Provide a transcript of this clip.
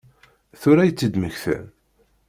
Tura i tt-id-mmektan?